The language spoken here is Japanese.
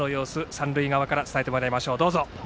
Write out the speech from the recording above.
三塁側から伝えてもらいましょう。